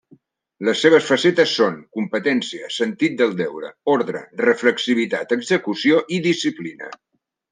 Les seves facetes són: competència, sentit del deure, ordre, reflexivitat, execució i disciplina.